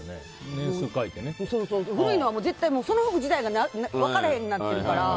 古いのは絶対、その服自体が分からへんようになってるから。